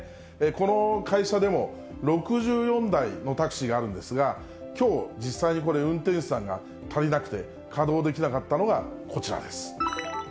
この会社でも、６４台のタクシーがあるんですが、きょう実際に運転手さんが足りなくて、稼働できなかったのがこちらです。